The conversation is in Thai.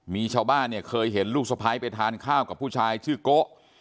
มีชาวบ้านเนี่ยเคยเห็นลูกสะพ้ายไปทานข้าวกับผู้ชายชื่อโก